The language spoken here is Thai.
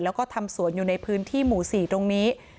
แล้วก็ทำสวนอยู่ในพื้นที่หมู่๔ตรงนี้